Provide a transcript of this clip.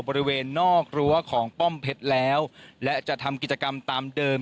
บริเวณนอกรั้วของป้อมเพชรแล้วและจะทำกิจกรรมตามเดิม